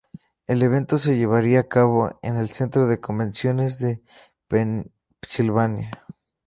El evento se llevaría a cabo en el Centro de Convenciones de Pennsylvania.